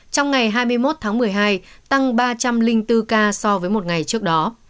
trong ngày hai mươi một tháng một mươi hai tăng ba trăm linh bốn ca so với một ngày trước đó